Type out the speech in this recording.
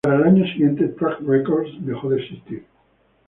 Para el año siguiente Track Records dejó de existir.